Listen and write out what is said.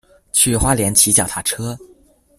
去花蓮騎腳踏車